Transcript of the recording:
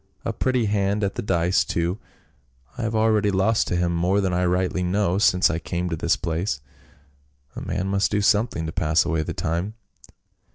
" A pretty hand at the dice too ; I have already lost to him more than I rightly know since I came to this place ; a man must do something to pass away the time."